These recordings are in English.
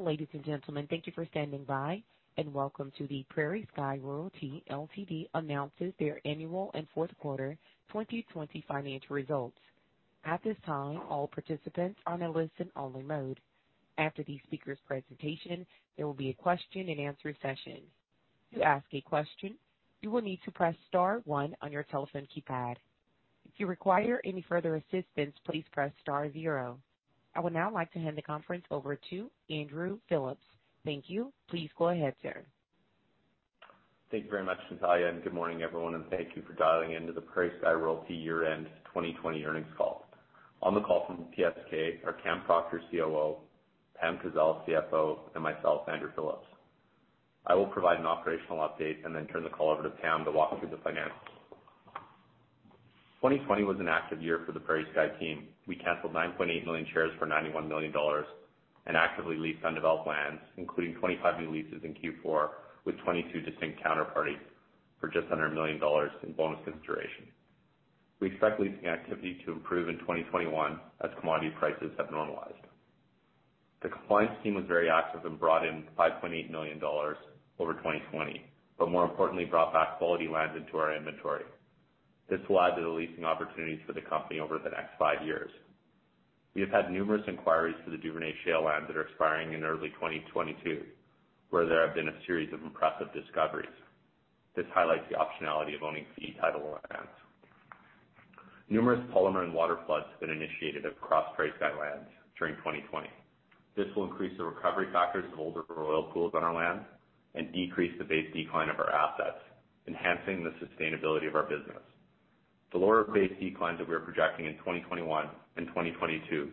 Ladies and gentlemen, thank you for standing by, and welcome to the PrairieSky Royalty Ltd announces their Annual and Fourth Quarter 2020 Financial Results. At this time, all participants are in listen only mode. After the speaker's presentation, there will be a question-and-answer session. To ask a question, you will need to press star one on your telephone keypad. If you require any further assistance, please press star zero. I would now like to hand the conference over to Andrew Phillips. Thank you. Please go ahead, sir. Thank you very much, Natalia. Good morning, everyone, and thank you for dialing in to the PrairieSky Royalty year-end 2020 earnings call. On the call from PSK are Cam Proctor, COO, Pam Kazeil, CFO, myself, Andrew Phillips. I will provide an operational update, then turn the call over to Pam to walk through the financials. 2020 was an active year for the PrairieSky team. We canceled 9.8 million shares for 91 million dollars, actively leased undeveloped lands, including 25 new leases in Q4, with 22 distinct counterparty for just under 1 million dollars in bonus consideration. We expect leasing activity to improve in 2021 as commodity prices have normalized. The compliance team was very active, brought in 5.8 million dollars over 2020, more importantly, brought back quality lands into our inventory. This will add to the leasing opportunities for the company over the next five years. We have had numerous inquiries to the Duvernay shale lands that are expiring in early 2022, where there have been a series of impressive discoveries. This highlights the optionality of owning fee title lands. Numerous polymer and water floods have been initiated across PrairieSky lands during 2020. This will increase the recovery factors of older oil pools on our land and decrease the base decline of our assets, enhancing the sustainability of our business. The lower base declines that we are projecting in 2021 and 2022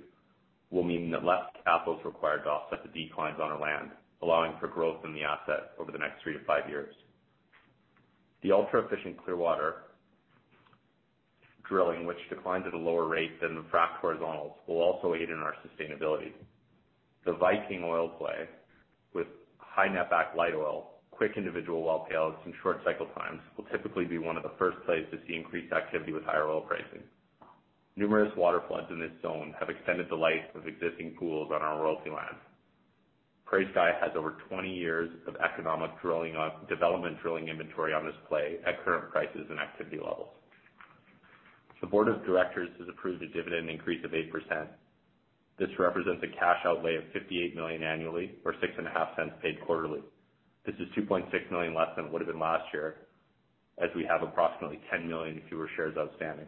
will mean that less capital is required to offset the declines on our land, allowing for growth in the asset over the next three to five years. The ultra-efficient Clearwater drilling, which declines at a lower rate than the fracked horizontals, will also aid in our sustainability. The Viking oil play with high net back light oil, quick individual well payouts, and short cycle times will typically be one of the first plays to see increased activity with higher oil pricing. Numerous water floods in this zone have extended the life of existing pools on our royalty land. PrairieSky has over 20 years of economic development drilling inventory on this play at current prices and activity levels. The board of directors has approved a dividend increase of 8%. This represents a cash outlay of 58 million annually or 0.065 paid quarterly. This is 2.6 million less than it would have been last year, as we have approximately 10 million fewer shares outstanding.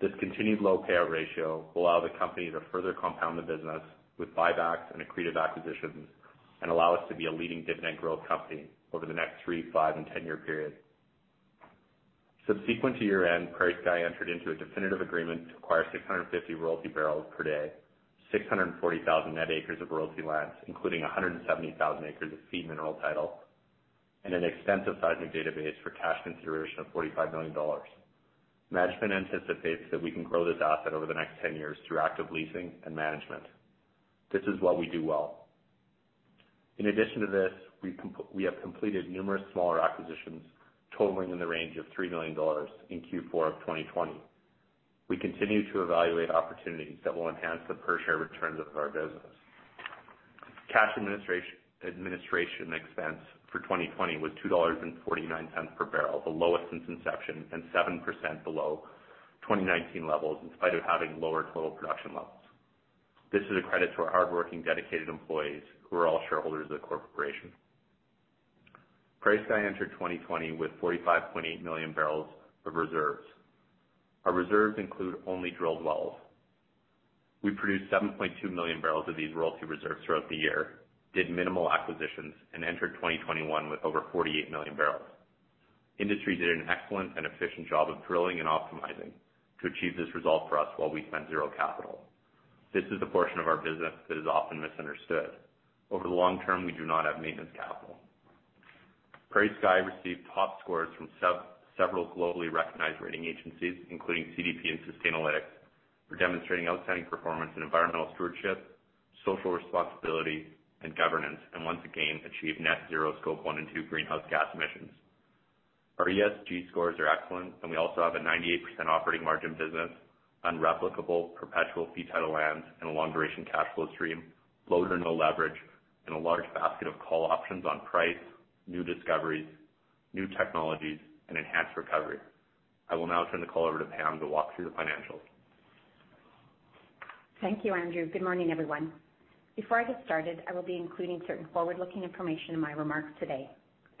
This continued low payout ratio will allow the company to further compound the business with buybacks and accretive acquisitions and allow us to be a leading dividend growth company over the next three, five, and 10-year period. Subsequent to year-end, PrairieSky entered into a definitive agreement to acquire 650 royalty bbls per day, 640,000 net acres of royalty lands, including 170,000 acres of fee mineral title, and an extensive seismic database for cash consideration of 45 million dollars. Management anticipates that we can grow this asset over the next 10 years through active leasing and management. This is what we do well. In addition to this, we have completed numerous smaller acquisitions totaling in the range of 3 million dollars in Q4 of 2020. We continue to evaluate opportunities that will enhance the per-share returns of our business. Cash administration expense for 2020 was 2.49 dollars per bbl, the lowest since inception, and 7% below 2019 levels in spite of having lower total production levels. This is a credit to our hardworking, dedicated employees who are all shareholders of the corporation. PrairieSky entered 2020 with 45.8 million bbls of reserves. Our reserves include only drilled wells. We produced 7.2 million bbls of these royalty reserves throughout the year, did minimal acquisitions, and entered 2021 with over 48 million bbls. Industry did an excellent and efficient job of drilling and optimizing to achieve this result for us while we spent zero capital. This is a portion of our business that is often misunderstood. Over the long term, we do not have maintenance capital. PrairieSky Royalty received top scores from several globally recognized rating agencies, including CDP and Sustainalytics, for demonstrating outstanding performance in environmental stewardship, social responsibility, and governance, and once again, achieved net zero scope one and two greenhouse gas emissions. Our ESG scores are excellent. We also have a 98% operating margin business, unreplicable perpetual fee title lands, and a long-duration cash flow stream, low to no leverage, and a large basket of call options on price, new discoveries, new technologies, and enhanced recovery. I will now turn the call over to Pam to walk through the financials. Thank you, Andrew. Good morning, everyone. Before I get started, I will be including certain forward-looking information in my remarks today.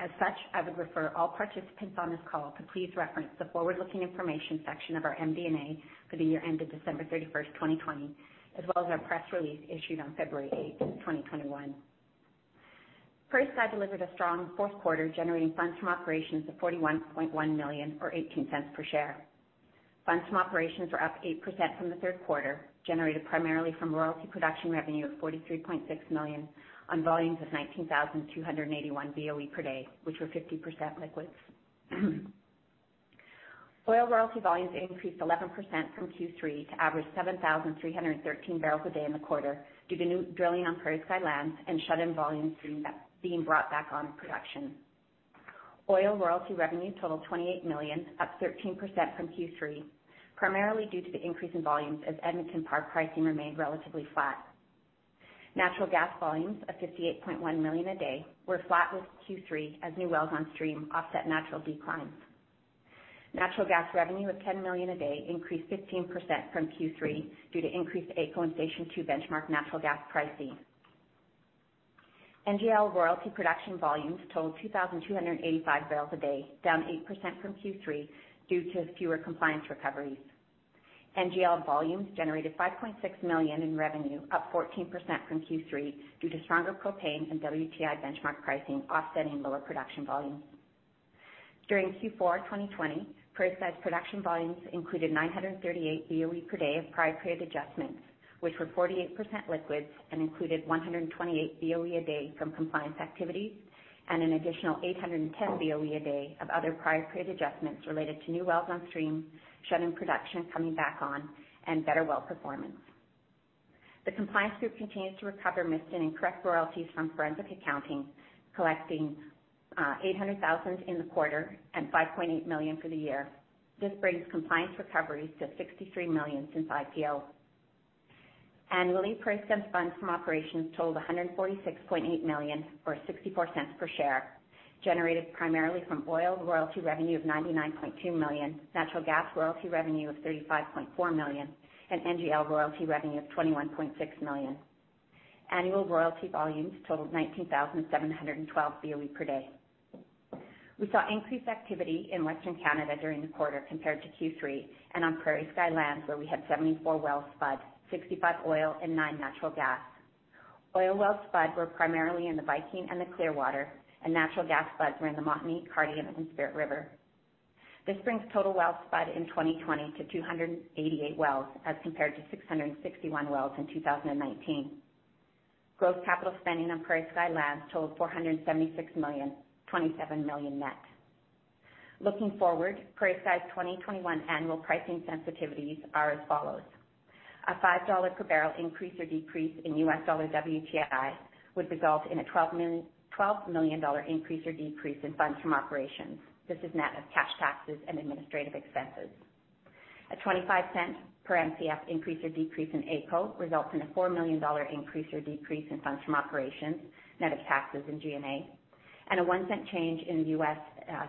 As such, I would refer all participants on this call to please reference the forward-looking information section of our MD&A for the year end of December 31st, 2020, as well as our press release issued on February 8th, 2021. PrairieSky delivered a strong fourth quarter, generating funds from operations of 41.1 million or 0.18 per share. Funds from operations were up 8% from the third quarter, generated primarily from royalty production revenue of 43.6 million on volumes of 19,281 BOE per day, which were 50% liquids. Oil royalty volumes increased 11% from Q3 to average 7,313 bbls a day in the quarter due to new drilling on PrairieSky lands and shut-in volumes being brought back on to production. Oil royalty revenue totaled 28 million, up 13% from Q3, primarily due to the increase in volumes as Edmonton par pricing remained relatively flat. Natural gas volumes of 58.1 million a day were flat with Q3 as new wells on stream offset natural declines. Natural gas revenue of 10 million a day increased 15% from Q3 due to increased AECO and Station 2 benchmark natural gas pricing. NGL royalty production volumes totaled 2,285 bbls a day, down 8% from Q3 due to fewer compliance recoveries. NGL volumes generated 5.6 million in revenue, up 14% from Q3 due to stronger propane and WTI benchmark pricing offsetting lower production volumes. During Q4 2020, PrairieSky's production volumes included 938 BOE per day of prior period adjustments, which were 48% liquids and included 128 BOE a day from compliance activities and an additional 810 BOE a day of other prior period adjustments related to new wells on stream, shut-in production coming back on, and better well performance. The compliance group continues to recover missed and incorrect royalties from forensic accounting, collecting 800,000 in the quarter and 5.8 million for the year. This brings compliance recoveries to 63 million since IPO. Annual PrairieSky funds from operations totaled 146.8 million, or 0.64 per share, generated primarily from oil royalty revenue of 99.2 million, natural gas royalty revenue of 35.4 million, and NGL royalty revenue of 21.6 million. Annual royalty volumes totaled 19,712 BOE per day. We saw increased activity in Western Canada during the quarter compared to Q3, and on PrairieSky lands, where we had 74 wells spud, 65 oil and 9 natural gas. Oil wells spud were primarily in the Viking and the Clearwater, and natural gas spuds were in the Montney, Cardium, and Spirit River. This brings total wells spud in 2020 to 288 wells as compared to 661 wells in 2019. Gross capital spending on PrairieSky lands totaled 476 million, 27 million net. Looking forward, PrairieSky's 2021 annual pricing sensitivities are as follows. A $5 per bbl increase or decrease in US dollar WTI would result in a $12 million increase or decrease in funds from operations. This is net of cash taxes and administrative expenses. A 0.25 per Mcf increase or decrease in AECO results in a 4 million dollar increase or decrease in funds from operations, net of taxes and G&A. A 1-cent change in U.S.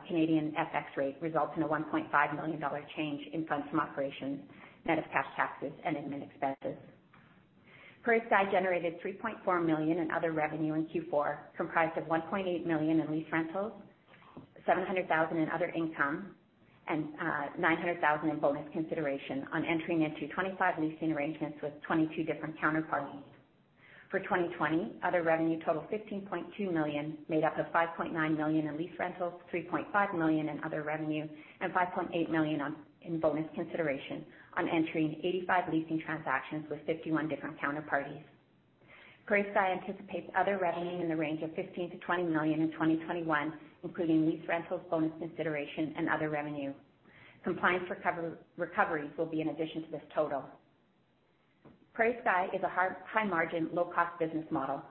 Canadian FX rate results in a 1.5 million dollar change in funds from operations, net of cash taxes and admin expenses. PrairieSky generated 3.4 million in other revenue in Q4, comprised of 1.8 million in lease rentals, 700,000 in other income, and 900,000 in bonus consideration on entering into 25 leasing arrangements with 22 different counterparties. For 2020, other revenue totaled 15.2 million, made up of 5.9 million in lease rentals, 3.5 million in other revenue, and 5.8 million in bonus consideration on entering 85 leasing transactions with 51 different counterparties. PrairieSky anticipates other revenue in the range of 15 million-20 million in 2021, including lease rentals, bonus consideration, and other revenue. Compliance recoveries will be in addition to this total. PrairieSky is a high margin, low cost business model.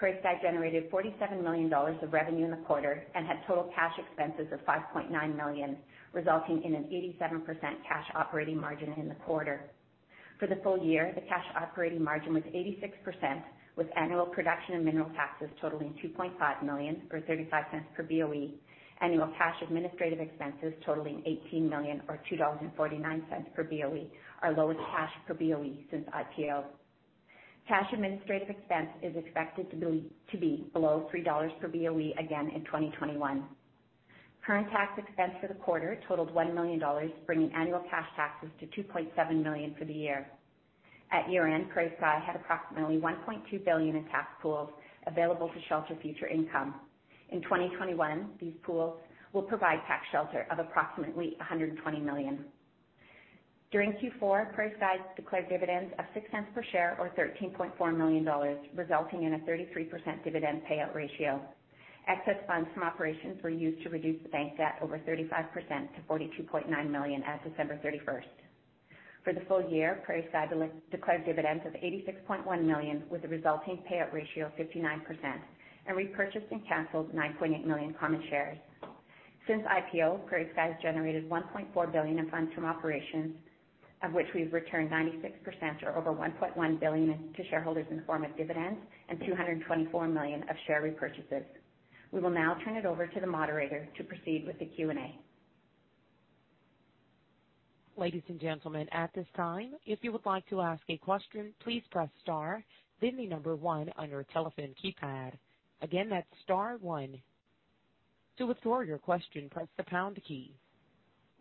PrairieSky generated 47 million dollars of revenue in the quarter and had total cash expenses of 5.9 million, resulting in an 87% cash operating margin in the quarter. For the full year, the cash operating margin was 86%, with annual production and mineral taxes totaling 2.5 million, or 0.35 per BOE, annual cash administrative expenses totaling 18 million or 2.49 dollars per BOE, our lowest cash per BOE since IPO. Cash administrative expense is expected to be below 3 dollars per BOE again in 2021. Current tax expense for the quarter totaled 1 million dollars, bringing annual cash taxes to 2.7 million for the year. At year-end, PrairieSky had approximately 1.2 billion in tax pools available to shelter future income. In 2021, these pools will provide tax shelter of approximately 120 million. During Q4, PrairieSky declared dividends of 0.06 per share or 13.4 million dollars, resulting in a 33% dividend payout ratio. Excess funds from operations were used to reduce bank debt over 35% to 42.9 million as December 31st. For the full year, PrairieSky declared dividends of 86.1 million, with a resulting payout ratio of 59%, and repurchased and canceled 9.8 million common shares. Since IPO, PrairieSky has generated 1.4 billion in funds from operations, of which we've returned 96%, or over 1.1 billion, to shareholders in the form of dividends and 224 million of share repurchases. We will now turn it over to the moderator to proceed with the Q&A. Ladies and gentlemen, at this time, if you would like to ask a question, please press star, then the number one on your telephone keypad. Again, that's star one. To withdraw your question, press the pound key.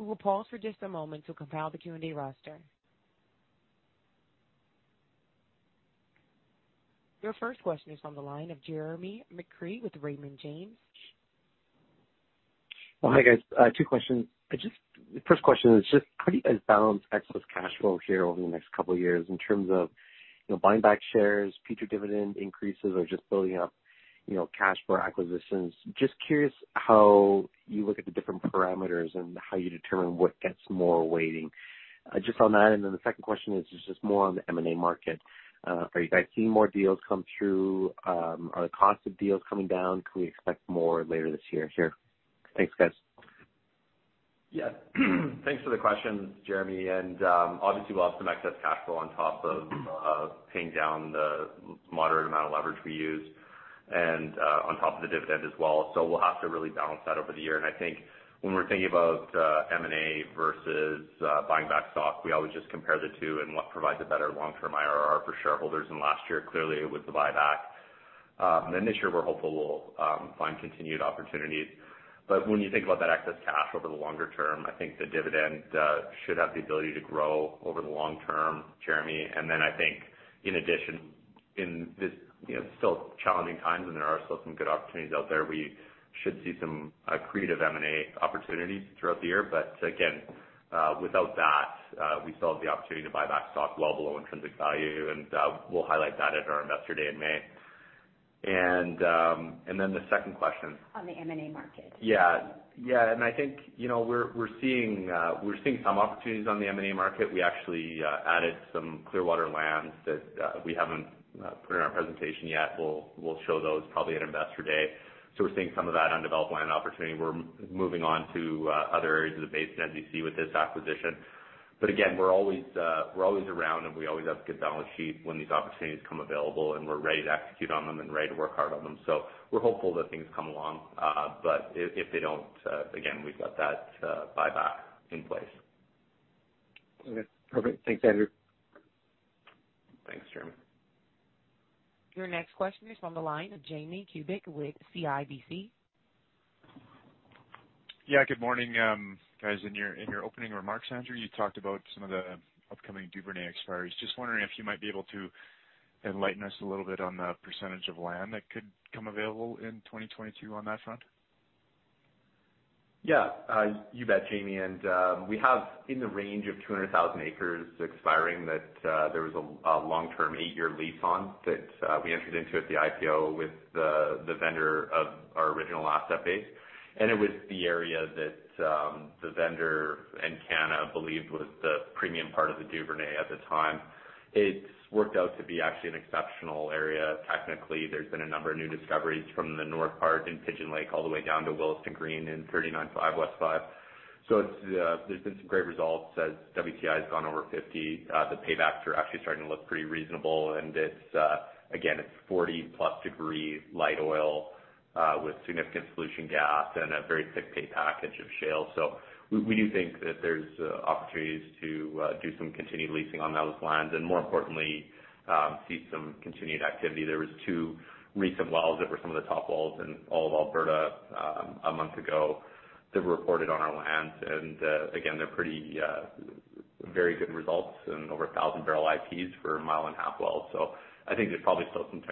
We will pause for just a moment to compile the Q&A roster. Your first question is on the line of Jeremy McCrea with Raymond James. Well, hi, guys. Two questions. The first question is just how do you guys balance excess cash flow here over the next couple of years in terms of buying back shares, future dividend increases, or just building up cash for acquisitions? Curious how you look at the different parameters and how you determine what gets more weighting. On that, the second question is just more on the M&A market. Are you guys seeing more deals come through? Are the cost of deals coming down? Can we expect more later this year here? Thanks, guys. Yeah. Thanks for the question, Jeremy. Obviously we'll have some excess cash flow on top of paying down the moderate amount of leverage we use and, on top of the dividend as well. We'll have to really balance that over the year. I think when we're thinking about M&A versus buying back stock, we always just compare the two and what provides a better long-term IRR for shareholders. Last year, clearly it was the buyback. This year we're hopeful we'll find continued opportunities. When you think about that excess cash over the longer term, I think the dividend should have the ability to grow over the long term, Jeremy. I think in addition, in this still challenging times, and there are still some good opportunities out there, we should see some accretive M&A opportunities throughout the year. Again, without that, we still have the opportunity to buy back stock well below intrinsic value. We'll highlight that at our Investor Day in May. The second question. On the M&A market. Yeah. I think, we're seeing some opportunities on the M&A market. We actually added some Clearwater lands that we haven't put in our presentation yet. We'll show those probably at Investor Day. We're seeing some of that undeveloped land opportunity. We're moving on to other areas of the basin, as you see with this acquisition. Again, we're always around, and we always have a good balance sheet when these opportunities come available, and we're ready to execute on them and ready to work hard on them. We're hopeful that things come along. If they don't, again, we've got that buyback in place. Okay, perfect. Thanks, Andrew. Thanks, Jeremy. Your next question is on the line, Jamie Kubik with CIBC. Yeah, good morning. Guys, in your opening remarks, Andrew, you talked about some of the upcoming Duvernay expiries. Just wondering if you might be able to enlighten us a little bit on the percentage of land that could come available in 2022 on that front. Yeah, you bet, Jamie. We have in the range of 200,000 acres expiring that there was a long-term 8-year lease on that we entered into at the IPO with the vendor of our original asset base. It was the area that the vendor Encana believed was the premium part of the Duvernay at the time. It's worked out to be actually an exceptional area. Technically, there's been a number of new discoveries from the north part in Pigeon Lake all the way down to Wilson Green in 39 05 West five. There's been some great results as WTI's gone over $50. The paybacks are actually starting to look pretty reasonable. Again, it's 40-plus degree light oil, with significant solution gas and a very thick pay package of shale. We do think that there's opportunities to do some continued leasing on those lands and more importantly, see some continued activity. There was two recent wells that were some of the top wells in all of Alberta, a month ago that were reported on our lands. Again, they're very good results and over 1,000 bbl IPs for a mile and a half well. I think there's probably still some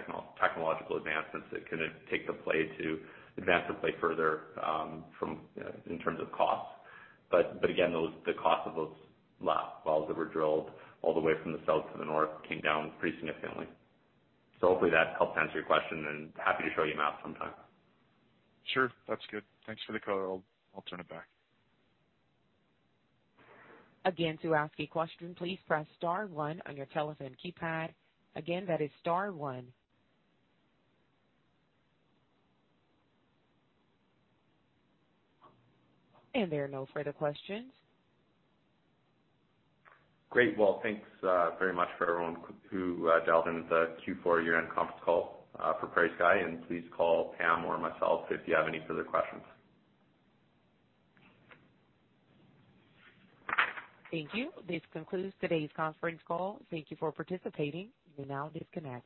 technological advancements that can take the play to advance the play further, in terms of cost. Again, the cost of those last wells that were drilled all the way from the south to the north came down pretty significantly. Hopefully that helps answer your question, and happy to show you a map sometime. Sure. That's good. Thanks for the color. I'll turn it back. Again, to ask a question, please press star one on your telephone keypad. Again, that is star one. There are no further questions. Great. Well, thanks very much for everyone who dialed into the Q4 year-end conference call for PrairieSky, and please call Pam or myself if you have any further questions. Thank you. This concludes today's conference call. Thank you for participating. You may now disconnect.